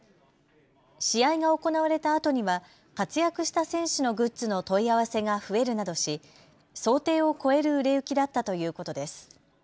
試合が行われたあとには活躍した選手のグッズの問い合わせが増えるなどし想定を超える売れ行きだったということです。